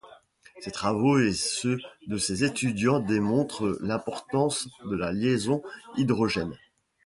Ses travaux et ceux de ses étudiants démontrent l'importance de la liaison hydrogène.